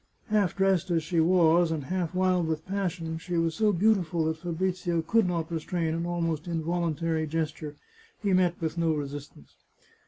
Half dressed as she was, and half wild with passion, she was so beautiful that Fabrizio could not restrain an almost involuntary gesture. He met with no resistance.